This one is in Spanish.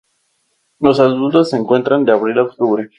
Los adultos se encuentran de abril a octubre.